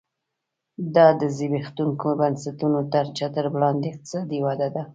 دا د زبېښونکو بنسټونو تر چتر لاندې اقتصادي وده ده